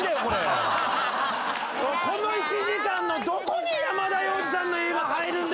この１時間のどこに山田洋次さんの映画入るんだ